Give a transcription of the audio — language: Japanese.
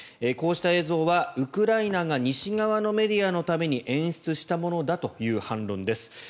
こうした映像はウクライナが西側のメディアのために演出したものだという反論です。